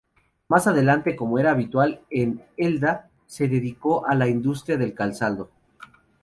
Más adelante, como era habitual en Elda, se dedicó a la industria del calzado.